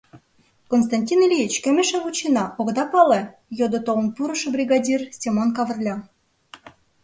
— Константин Ильич, кӧм эше вучена, огыда пале? — йодо толын пурышо бригадир, Семон Кавырля.